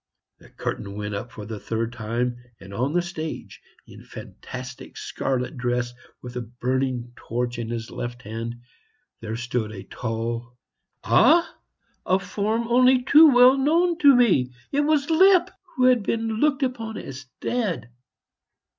The curtain went up for the third time, and on the stage, in fantastic scarlet dress, with a burning torch in his left hand, there stood a tall ah! a form only too well known to me. It was Lipp, who had been looked upon as dead.